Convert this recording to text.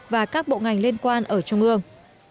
và các bộ ngành liên quan ở trung ương